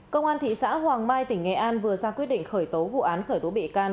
công an thị xã hoàng mai tỉnh nghệ an vừa ra quyết định khởi tố vụ án khởi tố bị can